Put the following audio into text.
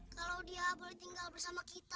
kalau dia boleh tinggal bersama kita